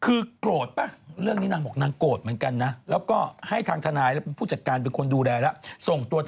คือโกรธป่ะเรื่องนี้นางบอกนางโกรธเหมือนกันนะ